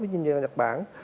như nhật bản